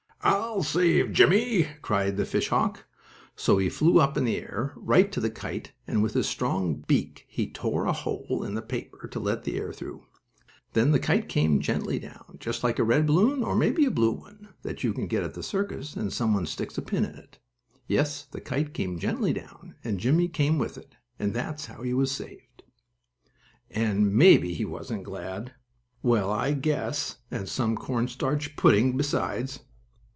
"I will save Jimmie!" cried the fish hawk. So he flew up in the air, right to the kite, and, with his strong beak, he tore a hole in the paper to let the air through. Then the kite came gently down, just like a red balloon, or maybe a blue one, that you get at the circus, and some one sticks a pin in it. Yes, the kite came gently down, and Jimmie came with it, and that's how he was saved! And, maybe he wasn't glad! Well, I just guess, and some cornstarch pudding besides!